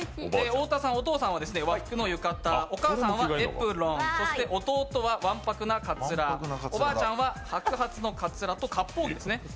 太田さん、お父さんは和服の浴衣、お母さんはエプロン、そして弟はわんぱくなカツラ、おばあちゃんは白髪のかつらと割烹着ですね。